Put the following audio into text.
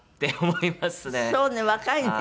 そうね若いね。